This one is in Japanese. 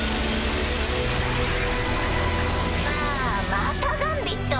ああまたガンビット。